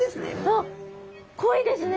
あっ濃いですね。